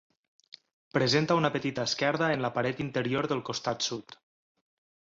Presenta una petita esquerda en la paret interior del costat sud.